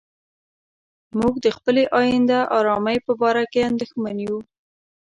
موږ د خپلې آینده آرامۍ په باره کې اندېښمن یو.